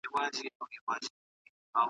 ناروغان مه هېروئ او مرسته ورسره وکړئ.